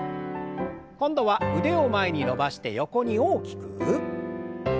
今度は腕を前に伸ばして横に大きく。